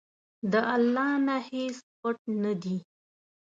له الله نه هیڅ پټ نه دي.